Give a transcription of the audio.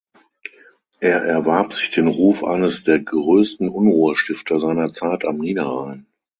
Er erwarb sich den Ruf eines der größten Unruhestifter seiner Zeit am Niederrhein.